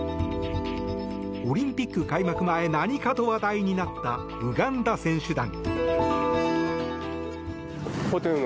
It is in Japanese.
オリンピック開幕前何かと話題になったウガンダ選手団。